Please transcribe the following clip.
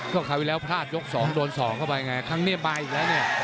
ก็คราวที่แล้วพลาดยกสองโดนสองเข้าไปไงครั้งนี้มาอีกแล้วเนี่ย